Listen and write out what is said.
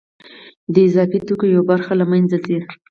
د اضافي توکو یوه برخه له منځه ځي